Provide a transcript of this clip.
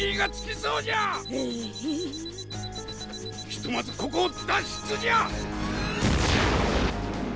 ひとまずここを脱出じゃ！